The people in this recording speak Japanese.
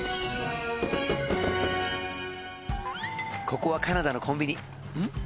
ここはカナダのコンビニうんっ？